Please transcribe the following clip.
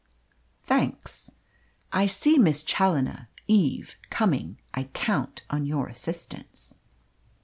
"Thanks. I see Miss Challoner Eve coming. I count on your assistance."